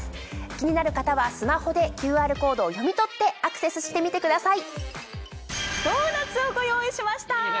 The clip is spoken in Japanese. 気になる方はスマホでＱＲコードを読み取ってアクセスしてみてください。